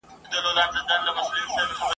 یو وزر نه دی چي سوځي بې حسابه درته ګوري !.